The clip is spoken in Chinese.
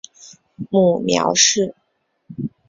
母苗氏。